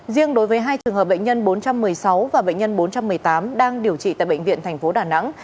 riêng đối với hai trường hợp bệnh nhân bốn trăm một mươi sáu và bệnh nhân bốn trăm một mươi tám đang điều trị tại bệnh viện tp đà nẵng trong tình trạng nặng